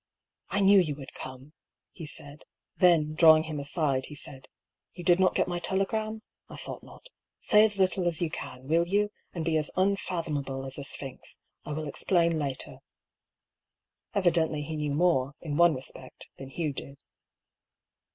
" I knew you would come," he said. Then, drawing him aside, he said :" You did not get my telegram? I thought not. Say as little as you can, will you ? and be as unfathomable as a sphinx. I will explain later." Evidently he knew more, in one respect, than Hugh did.